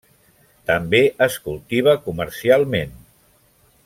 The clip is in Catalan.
També es cultiva comercialment.